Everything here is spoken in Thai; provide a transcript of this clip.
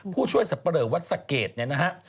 ผู้ช่วยสัพเบลอร์วัดสะเกดนะฮะ